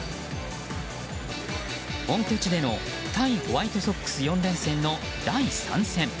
本拠地での対ホワイトソックス４連戦の第３戦。